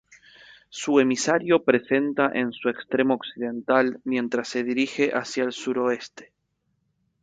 Su emisario presenta en su extremo occidental, mientras se dirige hacia el suroeste.